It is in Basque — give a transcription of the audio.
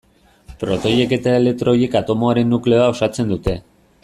Protoiek eta elektroiek atomoaren nukleoa osatzen dute.